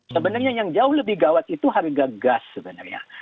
sebenarnya yang jauh lebih gawat itu harga gas sebenarnya